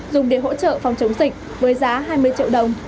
dùng để hỗ trợ phòng chống dịch với giá hai mươi triệu đồng